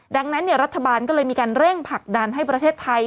ดังนั้นรัฐบาลก็เลยมีการเร่งผลักดันให้ประเทศไทย